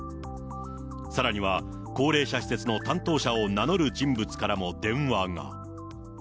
さらには、高齢者施設の担当者を名乗る人物からも電話が。